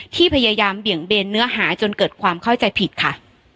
ที่พยายามเบี่ยงเบนเนื้อหาจนเกิดความเข้าใจผิดค่ะ